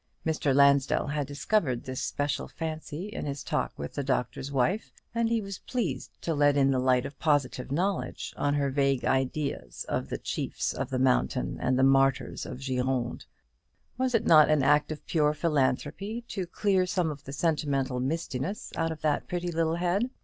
Mr. Lansdell had discovered this special fancy in his talk with the Doctor's Wife, and he was pleased to let in the light of positive knowledge on her vague ideas of the chiefs of the Mountain and the martyrs of the Gironde. Was it not an act of pure philanthropy to clear some of the sentimental mistiness out of that pretty little head?